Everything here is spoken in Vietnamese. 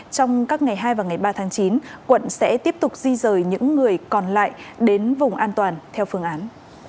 trong các ngày hai và ngày ba tháng chín quận sẽ tiếp tục di rời những người còn lại đến vùng an toàn theo phương án